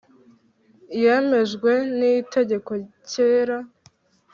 yemejwe n Itegeko cyera